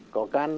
có can thiệp